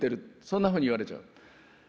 そんなふうに言われちゃう。